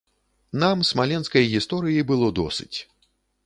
Нам смаленскай гісторыі было досыць.